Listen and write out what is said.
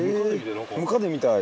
ムカデみたい。